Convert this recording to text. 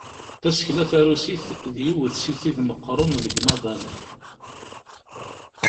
Tasekla tarusit d yiwet si tid meqqren deg umaḍal.